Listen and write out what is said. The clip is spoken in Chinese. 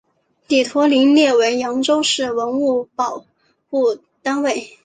祗陀林列为扬州市文物保护单位。